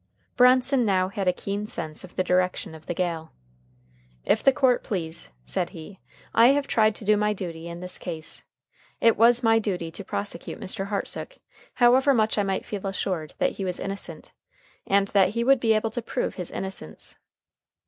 Bronson now had a keen sense of the direction of the gale. "If the court please," said he, "I have tried to do my duty in this case. It was my duty to prosecute Mr. Hartsook, however much I might feel assured that he was innocent, and that he would be able to prove his innocence.